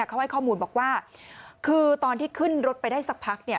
เขาให้ข้อมูลบอกว่าคือตอนที่ขึ้นรถไปได้สักพักเนี่ย